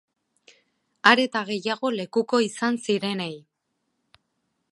Are eta gehiago lekuko izan zirenei.